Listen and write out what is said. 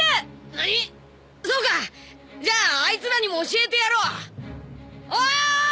なにっそうかじゃあアイツらにも教えてやろうおーい！